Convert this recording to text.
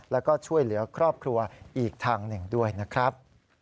แล้วก็ช่วยเหลือครอบครัวอีกทางหนึ่งด้วยนะครับ